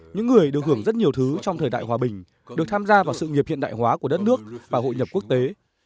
những người được hưởng rất nhiều thứ trong thời đại hòa bình được tham gia vào sự nghiệp hiện đại hóa của đất nước và hội nhập quốc tế